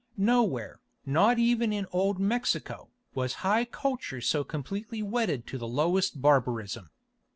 Nowhere, not even in old Mexico, was high culture so completely wedded to the lowest barbarism.